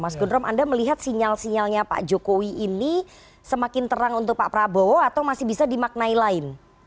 mas gundrom anda melihat sinyal sinyalnya pak jokowi ini semakin terang untuk pak prabowo atau masih bisa dimaknai lain